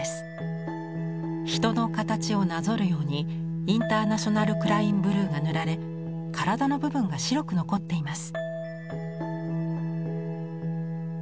人の形をなぞるようにインターナショナル・クライン・ブルーが塗られ体の部分が白く残っています。